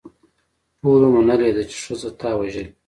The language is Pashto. ټولو منلې ده چې ښځه تا وژلې.